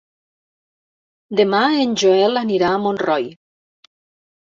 Demà en Joel anirà a Montroi.